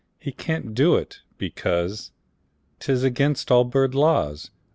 He can't do it, because 'T is against all bird laws.